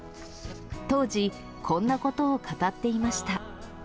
当時、こんなことを語っていました。